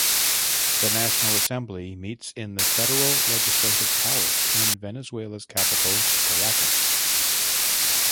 The National Assembly meets in the Federal Legislative Palace in Venezuela's capital, Caracas.